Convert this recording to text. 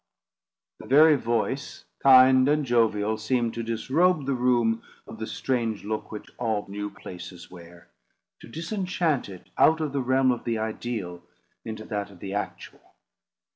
The very voice, kind and jovial, seemed to disrobe the room of the strange look which all new places wear—to disenchant it out of the realm of the ideal into that of the actual.